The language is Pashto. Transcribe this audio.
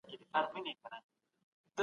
دوی د داود خان پر ضد کودتا وکړه.